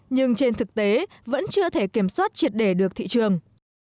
nhưng trên thực tế vẫn chưa thể kiểm soát triệt đề được thị trường